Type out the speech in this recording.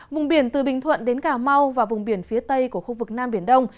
vùng biển từ bình thuận đến cà mau và vùng biển phía tây của khu vực nam biển đông